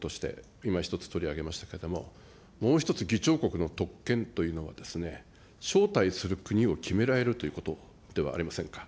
今、１つ取り上げましたけれども、もう１つ議長国としての特権というのはですね、招待する国を決められるということではありませんか。